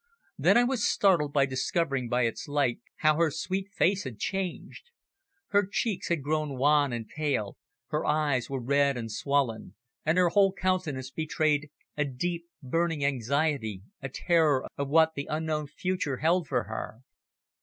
Then I was startled by discovering by its light how her sweet face had changed. Her cheeks had grown wan and pale, her eyes were red and swollen, and her whole countenance betrayed a deep, burning anxiety a terror of what the unknown future held for her.